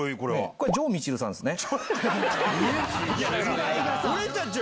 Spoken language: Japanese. これ城みちるさんですね。